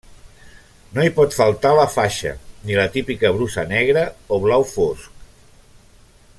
No hi pot faltar la faixa ni la típica brusa negra o blau fosc.